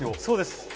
そうです。